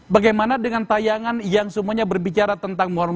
bagaimana dengan tayangan yang semuanya berbicara tentang muhammad